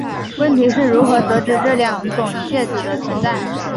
问题是如何得知这两种介子的存在。